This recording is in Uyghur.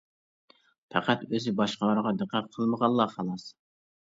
پەقەت ئۆزى باشقىلارغا دىققەت قىلمىغانلا خالاس.